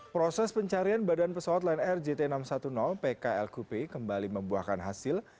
proses pencarian badan pesawat lnr jt enam ratus sepuluh pklkp kembali membuahkan hasil